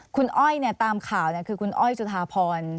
คุณอ้อยตามข่าวคือคุณอ้อยจุธาพร